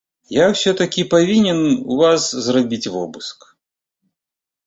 Я ўсё-такі павінен у вас зрабіць вобыск.